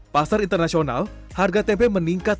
pasar internasional harga tempe meningkat